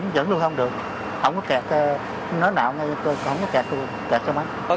vẫn luôn không được không có kẹt nói nạo nghe tôi không có kẹt xe máy